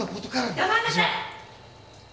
黙りなさい！